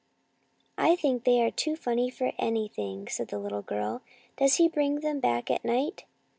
" I think they are too funny for anything," said the little girl. " Does he bring them back at night